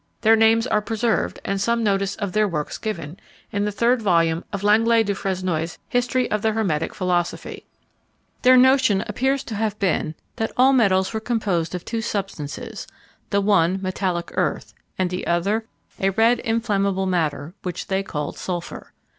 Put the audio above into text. Their names are preserved, and some notice of their works given, in the third volume of Langlet du Fresnoy's History of the Hermetic Philosophy. Their notion appears to have been, that all metals were composed of two substances; the one, metallic earth; and the other, a red inflammable matter, which they called sulphur.